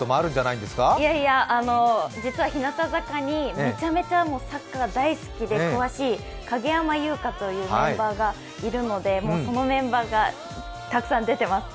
いやいや実は日向坂にめちゃめちゃサッカーが大好きな影山優佳というメンバーがいるのでそのメンバーがたくさん出てます。